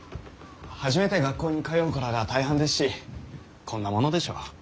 初めて学校に通う子らが大半ですしこんなものでしょう。